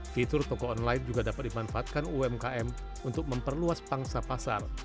fitur toko online juga dapat dimanfaatkan umkm untuk memperluas pangsa pasar